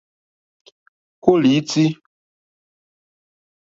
Kólà ítí.